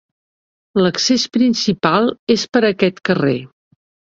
L'accés principal és per aquest carrer.